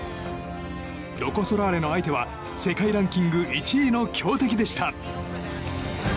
ロコ・ソラーレの相手は世界ランキング１位の強敵でした。